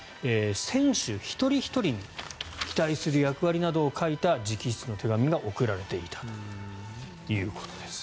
選手一人ひとりに期待する役割などを書いた直筆の手紙が送られていたということです。